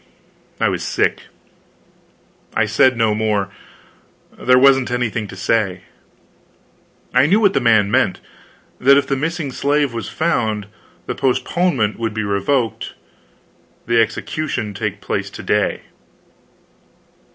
I was sick. I said no more, there wasn't anything to say. I knew what the man meant; that if the missing slave was found, the postponement would be revoked, the execution take place to day.